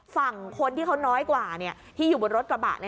ฝั่งคนที่เขาน้อยกว่าที่อยู่บนรถกระบะ